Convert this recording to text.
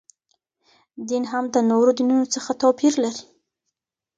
دین هم د نورو دینونو څخه توپیر لري.